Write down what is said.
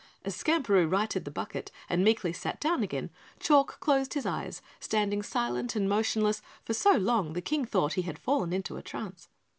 As Skamperoo righted the bucket and meekly sat down again, Chalk closed his eyes, standing silent and motionless for so long the King thought he had fallen into a trance.